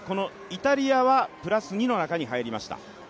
イタリアはプラス２の中に入りました。